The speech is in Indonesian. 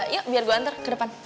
yuk biar gue antar ke depan